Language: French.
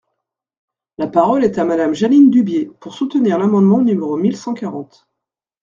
La parole est à Madame Jeanine Dubié, pour soutenir l’amendement numéro mille cent quarante.